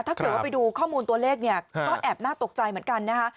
ถ้าเกิดว่าไปดูข้อมูลตัวเลขเนี่ยก็แอบน่าตกใจเหมือนกันนะคะ